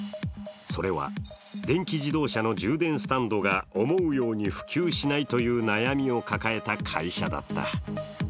それは、電気自動車の充電スタンドが思うように普及しないという悩みを抱えた会社だった。